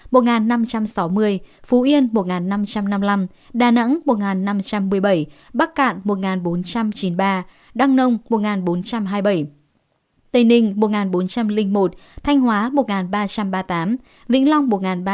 phú yên một năm trăm năm mươi năm đà nẵng một năm trăm một mươi bảy bắc cạn một bốn trăm chín mươi ba đăng nông một bốn trăm hai mươi bảy tây ninh một bốn trăm linh một thanh hóa một ba trăm ba mươi tám vĩnh long một ba trăm ba mươi năm